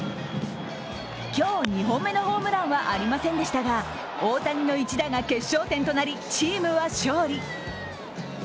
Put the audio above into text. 今日２本目のホームランはありませんでしたが、大谷の一打が決勝点となりチームは勝利。